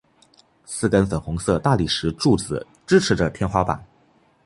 四根粉红色大理石柱子支持着天花板。